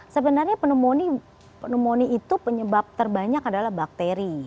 sebenarnya pneumonia itu penyebab terbanyak adalah bakteri